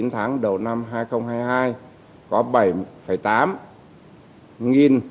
chín tháng đầu năm hai nghìn hai mươi hai có bảy tám